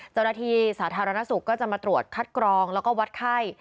เจ้าหน้าที่สาธารณสุขก็จะมาตรวจคัดกรองแล้วก็วัดไข้